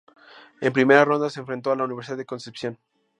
En primera ronda se enfrentó a la Universidad de Concepción.